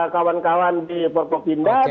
kawan kawan di popok pindah